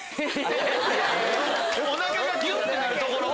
おなかがギュってなるところ⁉